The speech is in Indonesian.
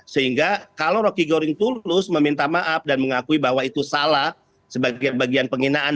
sehingga kalau rocky goring tulus meminta maaf dan mengakui bahwa itu salah sebagai bagian penghinaan